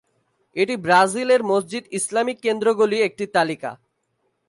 এটি ব্রাজিলের মসজিদ ইসলামিক কেন্দ্রগুলি একটি তালিকা।